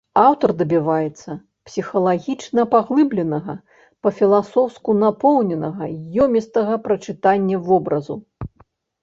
Аўтар дабіваецца псіхалагічна паглыбленага, па-філасофску напоўненага, ёмістага прачытання вобразу.